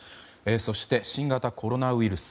そして、新型コロナウイルス。